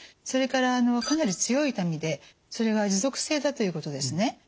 それからかなり強い痛みでそれが持続性だということですね。